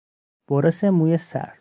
برس موی سر